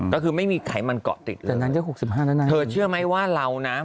ก็คือไม่มีไขมันเกาะติดเลยเธอเชื่อไหมว่าเรานะ